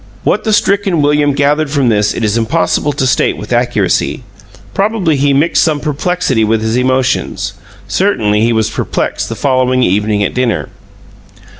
What the stricken William gathered from this it is impossible to state with accuracy; probably he mixed some perplexity with his emotions. Certainly he was perplexed the following evening at dinner.